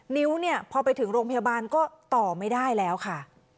นิ้วเนี่ยพอไปถึงโรงพยาบาลก็ต่อไม่ได้แล้วค่ะ